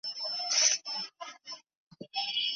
我跟男朋友分手了，我昨天哭了整个晚上。